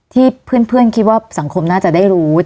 เพื่อนคิดว่าสังคมน่าจะได้รู้